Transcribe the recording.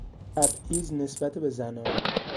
تبعیض نسبت به زنان